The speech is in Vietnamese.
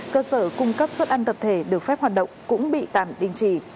cơ sở cung cấp xuất ăn tập thể được phép hoạt động cũng bị tạm định chỉ